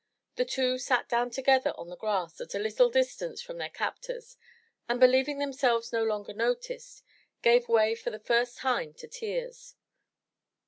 The two sat down together on the grass at a little distance from their captors, and believing themselves no longer noticed, gave way for the first time to tears.